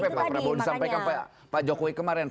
tapi pak prabowo disampaikan pak jokowi kemarin